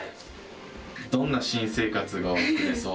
どんな新生活が送れそう？